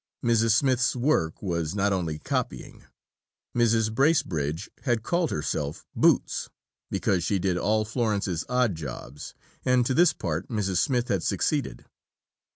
Mrs. Smith's work was not only copying. Mrs. Bracebridge had called herself "Boots," because she did all Florence's odd jobs, and to this part Mrs. Smith had succeeded.